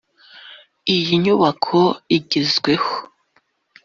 Iyi nyubako igezweho